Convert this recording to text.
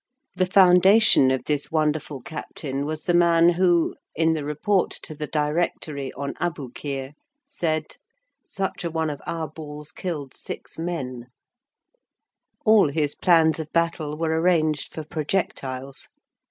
The foundation of this wonderful captain was the man who, in the report to the Directory on Aboukir, said: Such a one of our balls killed six men. All his plans of battle were arranged for projectiles.